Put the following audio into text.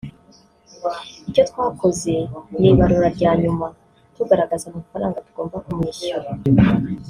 Icyo twakoze ni ibarura rya nyuma tugaragaza amafaranga tugomba kumwishyura